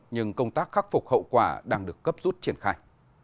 nhưng công tác khắc phục hậu quả đang được cấp rút triển khai